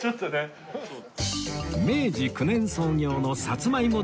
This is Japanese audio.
明治９年創業のサツマイモ